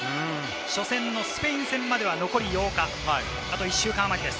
初戦のスペイン戦までは８日、１週間あまりです。